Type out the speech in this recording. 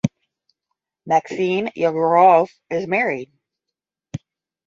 Maksim Yegorov is married.